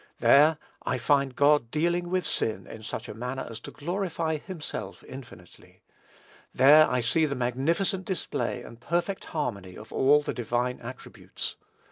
There I find God dealing with sin in such a manner as to glorify himself infinitely. There I see the magnificent display and perfect harmony of all the divine attributes.